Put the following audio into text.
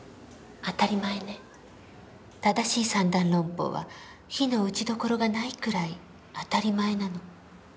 正しい三段論法は非の打ちどころがないくらい当たり前なの。